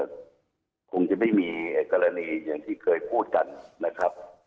คงจะมีกรณีการบูถกันนะครับ